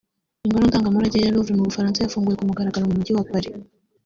Ingoro ndangamurage ya Louvre mu bufaransa yarafunguwe ku mugaragaro mu mujyi wa Paris